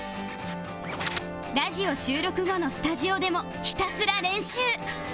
ラジオ収録後のスタジオでもひたすら練習